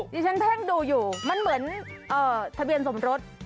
ที่ฉันเพ่งดูอยู่มันเหมือนทะเบียนสมรส